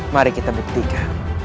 mari kita bertiga